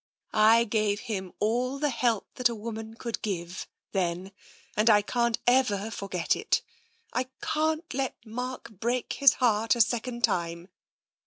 I gave him all the help that a woman could give, then, and I can't ever forget it. I can't let Mark break his heart a second time.